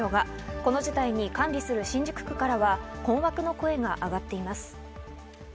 この事態に管理する新宿区からは困惑の声が上がっています。